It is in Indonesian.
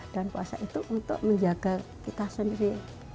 dan puasa itu untuk menjaga kita sendiri